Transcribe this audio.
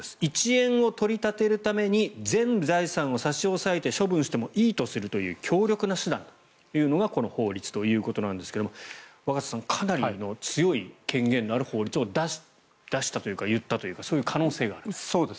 １円を取り立てるために全財産を差し押さえて処分してもいいとするという強力な手段というのがこの法律ということなんですが若狭さん、かなり強い権限のある法律を出したというか言ったというかそういう可能性がある。